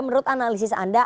menurut analisis anda